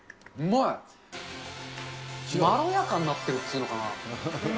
まろやかになってるっていうのかな。